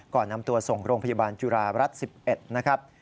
ก่อนนำตัวส่งโรงพยาบาลจุฬารัฐ๑๑นะครับ